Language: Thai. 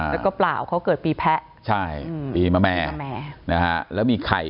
แล้วก็เปล่าเขาเกิดปีแพะใช่ปีมะแม่นะฮะแล้วมีไข่